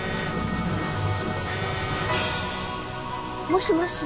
もしもし。